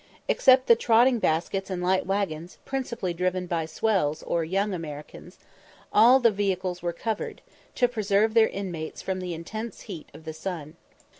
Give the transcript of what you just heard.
Except the "trotting baskets" and light waggons, principally driven by "swells" or "Young Americans," all the vehicles were covered, to preserve their inmates from the intense heat of the sun.